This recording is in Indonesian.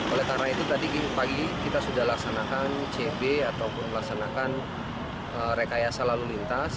oleh karena itu tadi pagi kita sudah laksanakan cb ataupun melaksanakan rekayasa lalu lintas